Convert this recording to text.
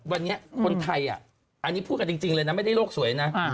วันนี้คนไทยอันนี้พูดกันจริงเลยนะไม่ได้โลกสวยนะ